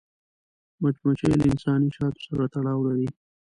مچمچۍ له انساني شاتو سره تړاو لري